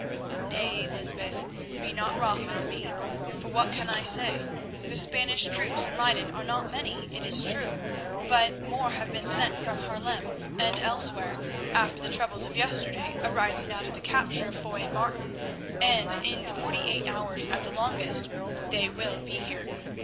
"Nay, Lysbeth, be not wroth with me, for what can I say? The Spanish troops in Leyden are not many, it is true, but more have been sent for from Haarlem and elsewhere after the troubles of yesterday arising out of the capture of Foy and Martin, and in forty eight hours at the longest they will be here.